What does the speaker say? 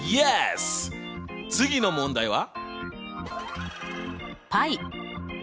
次の問題は？